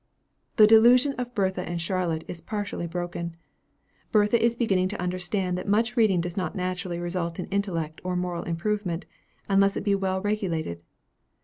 The delusion of Bertha and Charlotte is partially broken. Bertha is beginning to understand that much reading does not naturally result in intellectual or moral improvement, unless it be well regulated.